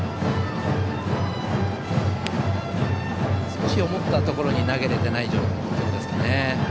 少し思ったところに投げれてない状況ですかね。